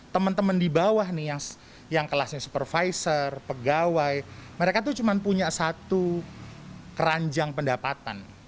teman teman di bawah nih yang kelasnya supervisor pegawai mereka itu cuma punya satu keranjang pendapatan